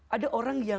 ada orang yang